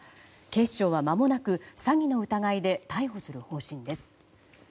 警視庁はまもなく詐欺の疑いで逮捕する方針です。